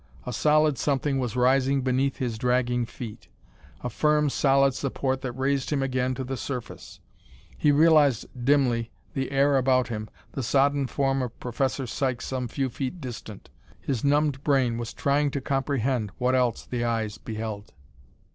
A solid something was rising beneath his dragging feet; a firm, solid support that raised him again to the surface. He realized dimly the air about him, the sodden form of Professor Sykes some few feet distant. His numbed brain was trying to comprehend what else the eyes beheld.